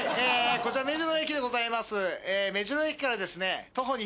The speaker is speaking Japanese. こちら目白駅でございます。